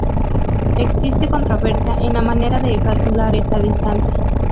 Existe controversia en la manera de calcular esta distancia.